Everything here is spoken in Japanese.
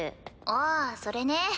ああそれね